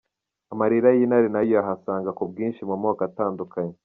Amarira y'intare nayo uyahasanga ku bwinshi mu moko atandukanye.